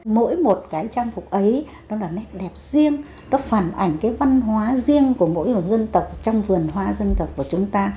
mỗi một cái trang phục ấy nó là nét đẹp riêng nó phản ảnh cái văn hóa riêng của mỗi một dân tộc trong vườn hóa dân tộc của chúng ta